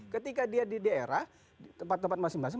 ketika dia di daerah di tempat tempat masing masing